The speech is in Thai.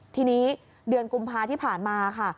ทีนี้เดือนกุมภาที่ผ่านมาค่ะ